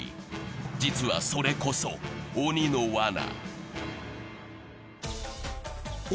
実は、それこそ鬼のわな。